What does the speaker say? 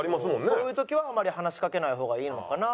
そういう時はあんまり話しかけない方がいいのかな。